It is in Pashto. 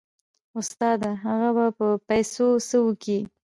استاده هغه به په پيسو څه وکي.